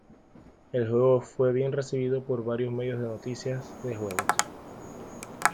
El juego fue bien recibido por varios medios de noticias de juegos.